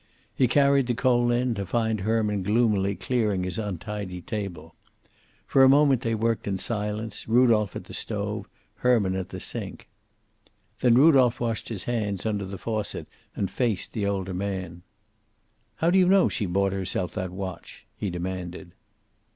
He carried the coal in, to find Herman gloomily clearing his untidy table. For a moment they worked in silence, Rudolph at the stove, Herman at the sink. Then Rudolph washed his hands under the faucet and faced the older man. "How do you know she bought herself that watch," he demanded.